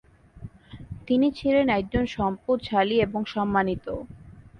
তিনি ছিলেন অনেক সম্পদশালী এবং সম্মানিত।